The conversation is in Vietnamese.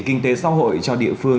kinh tế xã hội cho địa phương